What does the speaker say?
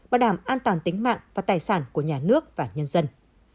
bảo đảm an toàn tính mạng và tài sản của nhà nước và nhân dân